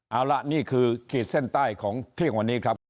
เอาละนี่คือขีดเส้นใต้ของเที่ยงวันนี้ครับ